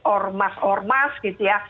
ormas ormas gitu ya